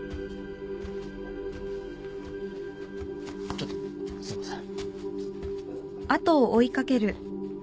ちょっとすいません。